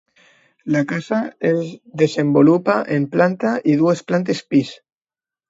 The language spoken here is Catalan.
La casa es desenvolupa en planta i dues plantes pis.